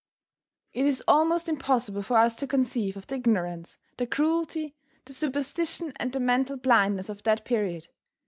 It is almost impossible for us to conceive of the ignorance, the cruelty, the superstition and the mental blindness of that period.